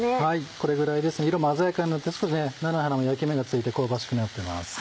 これぐらいですね色も鮮やかになって少し菜の花も焼き目がついて香ばしくなってます。